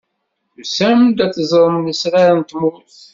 Tusam-d ad teẓrem lesrar n tmurt.